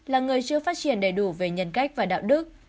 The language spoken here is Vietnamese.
là người chưa phát triển đầy đủ về nhân cách và đạo đức